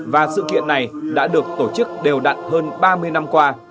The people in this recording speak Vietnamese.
và sự kiện này đã được tổ chức đều đặn hơn ba năm